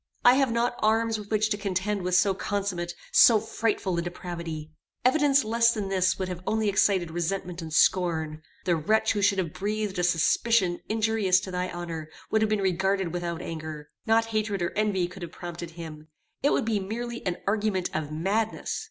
I have not arms with which to contend with so consummate, so frightful a depravity. "Evidence less than this would only have excited resentment and scorn. The wretch who should have breathed a suspicion injurious to thy honor, would have been regarded without anger; not hatred or envy could have prompted him; it would merely be an argument of madness.